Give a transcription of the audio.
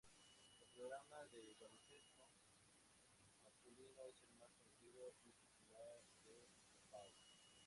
El programa de baloncesto masculino es el más conocido y popular de DePaul.